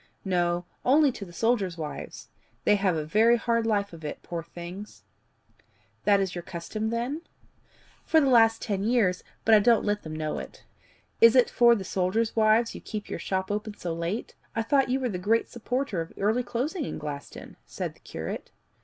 "No only to the soldiers' wives. They have a very hard life of it, poor things!" "That is your custom, then?" "For the last ten years, but I don't let them know it." "Is it for the soldiers' wives you keep your shop open so late? I thought you were the great supporter of early closing in Glaston," said the curate.